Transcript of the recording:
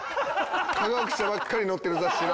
科学者ばっかり載ってる雑誌の。